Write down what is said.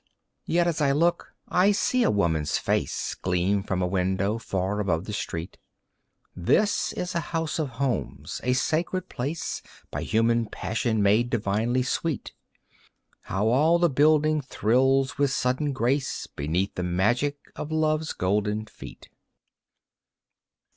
Yet, as I look, I see a woman's face Gleam from a window far above the street. This is a house of homes, a sacred place, By human passion made divinely sweet. How all the building thrills with sudden grace Beneath the magic of Love's golden feet!